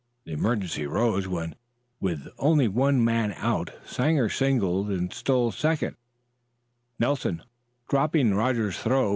The emergency rose when, with only one man out, Sanger singled and stole second, Nelson dropping Roger's throw.